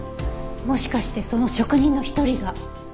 もしかしてその職人の一人が。